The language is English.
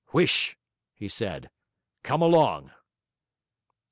'Huish,' he said, 'come along.'